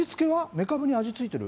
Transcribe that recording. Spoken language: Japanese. めかぶに味付いてる？